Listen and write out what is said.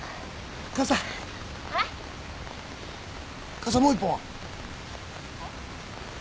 傘もう１本は？えっ？